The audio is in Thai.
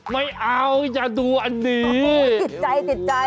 ไม่เอาจะดูอันนี้ก็อยากดูอันนี้